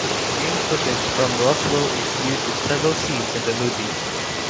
Game footage from Roswell is used in several scenes in the movie.